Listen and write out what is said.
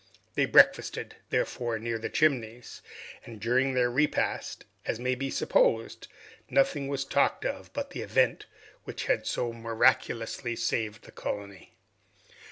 They breakfasted, therefore, near the Chimneys, and during their repast, as may be supposed, nothing was talked of but the event which had so miraculously saved the colony.